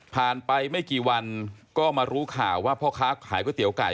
ไปไม่กี่วันก็มารู้ข่าวว่าพ่อค้าขายก๋วเตี๋ยไก่